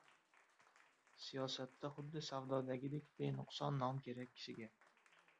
Siyosatda, xuddi savdodagidek, benuqson nom kerak kishiga.